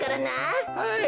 はい。